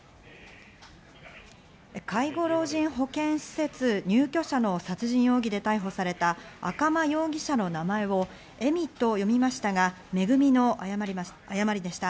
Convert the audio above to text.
介護老人保健施設入居者の殺人容疑で逮捕された赤間容疑者の名前を「えみ」と読みましたが、「めぐみ」の誤りでした。